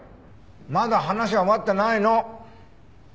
まだ話は終わってないの。